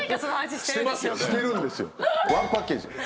してるんですよ。